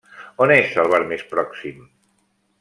On és el bar més pròxim?